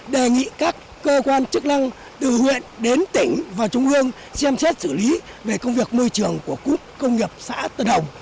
đề nghị các cơ quan chức lăng từ huyện đến tỉnh và trung ương xem xét xử lý về công việc môi trường của cụm công nghiệp xã tờ đồng